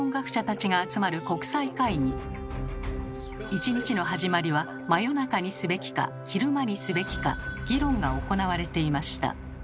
１日の始まりは真夜中にすべきか昼間にすべきか議論が行われていました。